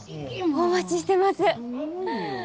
お待ちしてます。